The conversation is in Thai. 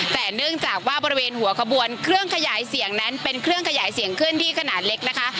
แต่เนื่องจากว่าบริเวณหัวขบวนเครื่องขยายเสียงนั้นเป็นเครื่องขยายเสียงเคลื่อนที่ขนาดเล็กนะคะ